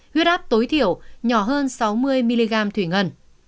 huyết áp tối thiểu nhỏ hơn sáu mươi mg thủy ngân